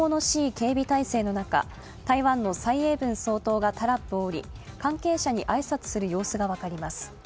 警備態勢の中、台湾の蔡英文総統がタラップを降り、関係者に挨拶する様子が分かります。